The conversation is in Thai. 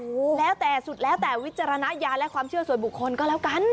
โอ้โหแล้วแต่สุดแล้วแต่วิจารณญาณและความเชื่อส่วนบุคคลก็แล้วกัน